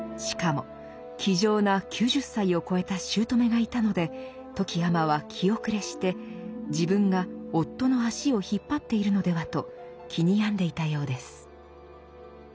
しかも気丈な９０歳を越えた姑がいたので富木尼は気後れして自分が夫の足を引っ張っているのではと気に病んでいたようです。